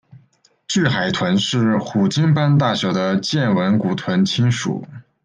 巨海豚是虎鲸般大小的剑吻古豚亲属。